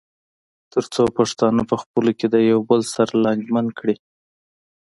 تر څو پښتانه پخپلو کې د یو بل سره لانجمن کړي.